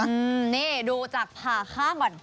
โอเคดูจากผ่าข้างก่อน